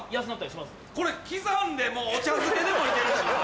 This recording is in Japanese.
これ刻んでもお茶漬けでもいけるしな。